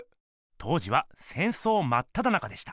当時は戦争まっただ中でした。